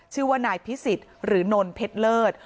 ชื่อว่านายพิสิทธิ์หรือนนเพชรเลิศ